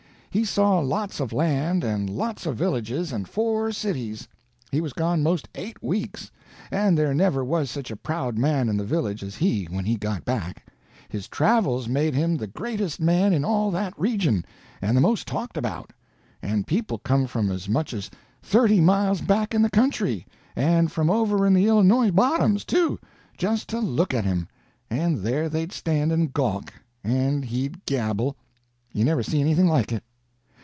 He saw lots of land and lots of villages and four cities. He was gone 'most eight weeks, and there never was such a proud man in the village as he when he got back. His travels made him the greatest man in all that region, and the most talked about; and people come from as much as thirty miles back in the country, and from over in the Illinois bottoms, too, just to look at him—and there they'd stand and gawk, and he'd gabble. You never see anything like it.